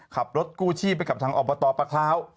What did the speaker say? ขับรถกู้ชีพไปกับทางอบตประคราว